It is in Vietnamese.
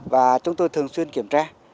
và chúng tôi thường xuyên kiểm tra